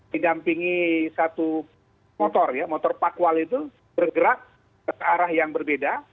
didampingi satu motor ya motor pakual itu bergerak ke arah yang berbeda